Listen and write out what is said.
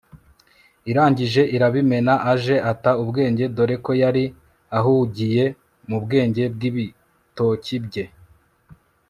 irangije irabimena, aje ata ubwenge dore ko yari ahugiye mu bwenge bw'ibitoki bye